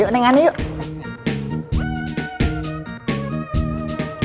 yuk neng ani yuk